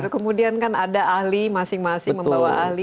kemudian kan ada ahli masing masing membawa ahli